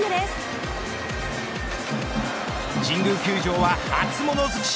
神宮球場は初物づくし。